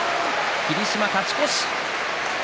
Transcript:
霧島、勝ち越し。